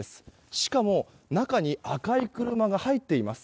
しかも、中に赤い車が入っています。